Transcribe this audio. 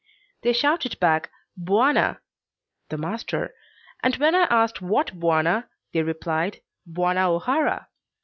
They shouted back "Bwana" ("The master"); and when I asked what bwana, they replied "Bwana O'Hara."